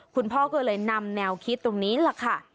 คุณพ่อก็เลยนำแนวคิดตรงนี้แหละค่ะ